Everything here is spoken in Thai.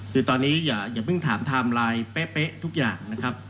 คือตอนนี้อย่าเพิ่งถามไทม์ไลน์เป๊ะทุกอย่างนะครับ